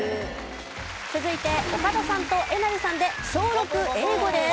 続いて岡田さんとえなりさんで小６英語です。